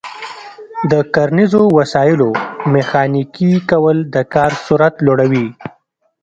د کرنیزو وسایلو میخانیکي کول د کار سرعت لوړوي.